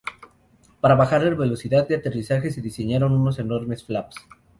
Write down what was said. Para bajar la velocidad de aterrizaje se diseñaron unos enormes flaps.